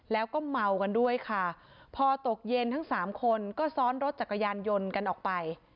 แล้วก็เมากันด้วยค่ะพอตกเย็นทั้งสามคนก็ซ้อนรถจักรยานยนต์กันออกไป